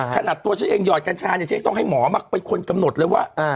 ขนาดตัวฉันเองหยอดกัญชาเนี่ยฉันต้องให้หมอมักเป็นคนกำหนดเลยว่า